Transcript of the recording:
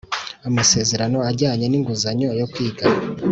amasezerano ajyanye n’inguzanyo yo kwiga.